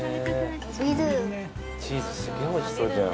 チーズすごい美味しそうじゃん。